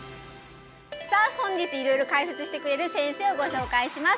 さあ本日色々解説してくれる先生をご紹介します